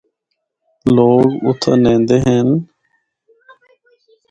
لوگ اُتھا نہندے ہن۔